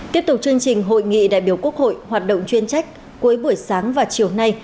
tiếp tục chương trình hội nghị đại biểu quốc hội hoạt động chuyên trách cuối buổi sáng và chiều nay